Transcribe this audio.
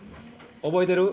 覚えてる？